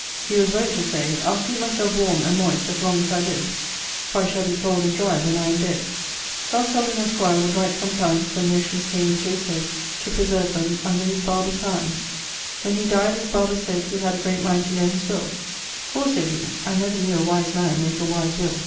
He was wont to say 'I'le keepe myselfe warme and moyst as long as I live, for I shall be cold and dry when I am dead.' John Selden, esq., would write sometimes, when notions came into his head, to preserve them, under his barber's hands. When he dyed his barber sayd he had a great mind to know his will, 'For,' sayd he, 'I never knew a wise man make a wise will.'